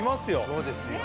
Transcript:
そうですよ